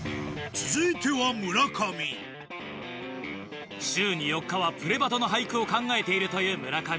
続いては村上週に４日は『プレバト‼』の俳句を考えているという村上。